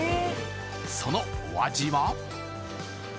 そのお味は？